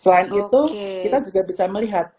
selain itu kita juga bisa melihat